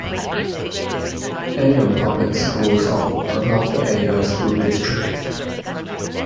Avon Public Schools are part of the Avon School District.